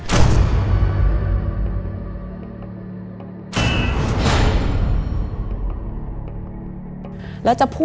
มันกลายเป็นรูปของคนที่กำลังขโมยคิ้วแล้วก็ร้องไห้อยู่